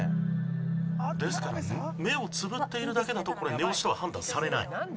ですから目をつぶっているだけだとこれ寝落ちとは判断されない。